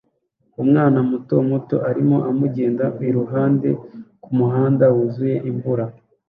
umwana muto muto arimo amugenda iruhande kumuhanda wuzuye imvura.